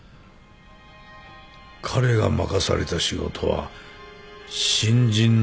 彼が任された仕事は新人の教育でした。